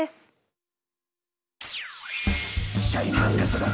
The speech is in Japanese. シャインマスカットだ！